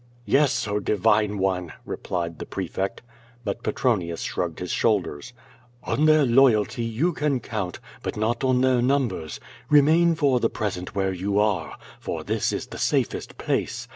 "Yes, oh divine one!" replied the prefect. But Pretronius shrugged his shoulders. "On their loyalty you can count, but not on their numbers. Bemain for the present where you are, for this is the safest place.